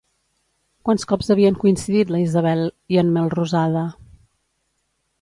Quants cops havien coincidit la Isabel i en Melrosada?